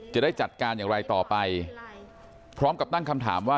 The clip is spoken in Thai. จะได้จัดการอย่างไรต่อไปพร้อมกับตั้งคำถามว่า